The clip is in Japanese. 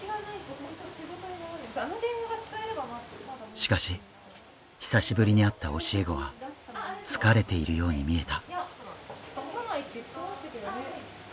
しかし久しぶりに会った教え子は疲れているように見えた。